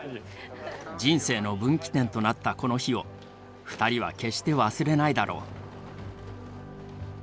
人生の分岐点となったこの日を２人は決して忘れないだろう。